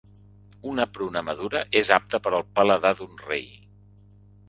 Una pruna madura és apta per al paladar d'un rei.